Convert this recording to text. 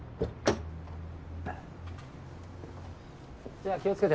じゃあ気をつけて。